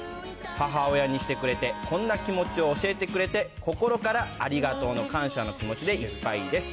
母親にしてくれて、こんな気持ちを教えてくれて、心からありがとうの感謝の気持ちでいっぱいです。